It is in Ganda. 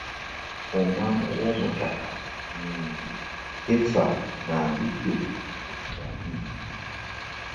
Omwana w’omutaka nnyenje tefa na mbidde ku kibanyi.